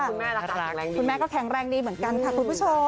คุณแม่รักคุณแม่ก็แข็งแรงดีเหมือนกันค่ะคุณผู้ชม